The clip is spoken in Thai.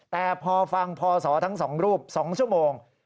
แต่พอฟังพอสอทั้งสองรูปสองชั่วโมง